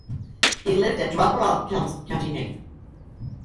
He lived at Drumbaragh, Kells, County Meath.